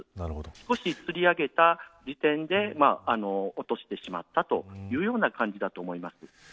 少しつり上げた時点で落としてしまったというような感じだと思います。